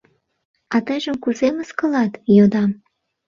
— А тыйжым кузе мыскылат? — йодам.